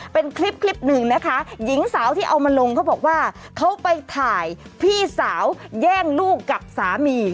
เป็นคลิปคลิปหนึ่งนะคะหญิงสาวที่เอามาลงเขาบอกว่าเขาไปถ่ายพี่สาวแย่งลูกกับสามี